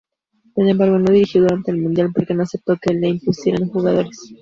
Sin embargo no dirigió durante el Mundial, porque no aceptó que le impusieran jugadores.